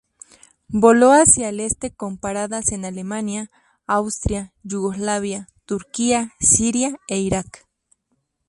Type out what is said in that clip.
Voló hacia el este con paradas en Alemania, Austria, Yugoslavia, Turquía, Siria e Iraq.